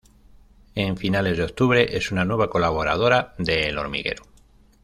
En finales de octubre es una nueva colaboradora de "El hormiguero".